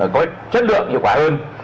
có chất lượng hiệu quả hơn